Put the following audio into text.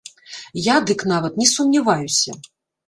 Я дык нават не сумняваюся!